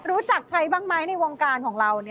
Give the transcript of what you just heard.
รู้จักใครบ้างไหมในวงการของเรา